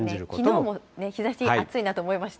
きのうも日ざし、暑いなと思いました。